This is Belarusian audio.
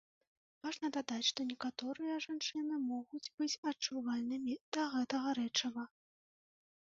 Важна дадаць, што некаторыя жанчыны могуць быць адчувальнымі да гэтага рэчыва.